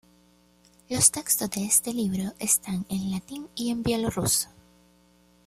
Los textos de este libro están en latín y en bielorruso.